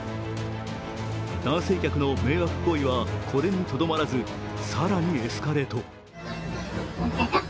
男性客の迷惑行為はこれにとどまらず、更にエスカレート。